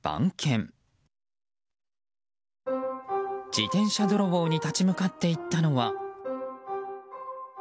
自転車泥棒に立ち向かっていったのは。